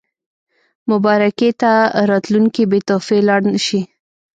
مبارکۍ ته راتلونکي بې تحفې لاړ نه شي.